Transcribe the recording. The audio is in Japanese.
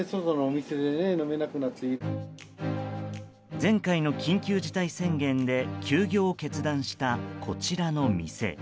前回の緊急事態宣言で休業を決断したこちらの店。